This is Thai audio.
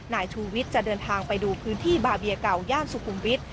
นายชูวิทย์จะเดินทางไปดูพื้นที่บาเบียเก่าย่านสุขุมวิทย